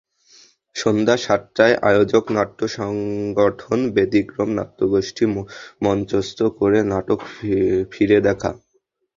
সন্ধ্যা সাতটায় আয়োজক নাট্য সংগঠন ব্যতিক্রম নাট্যগোষ্ঠী মঞ্চস্থ করে নাটক ফিরে দেখা।